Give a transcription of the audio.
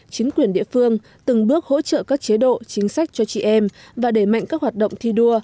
chính quyền địa phương từng bước hỗ trợ các chế độ chính sách cho chị em và đẩy mạnh các hoạt động thi đua